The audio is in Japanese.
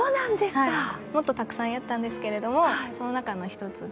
もっとたくさんやったんですけどもその中の１つで。